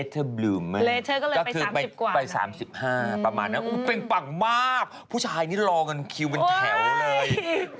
คุณแม่ม่เป่างมากผู้ชายนี้รองันคิวกันแถวเลย